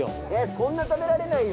こんな食べられないよ。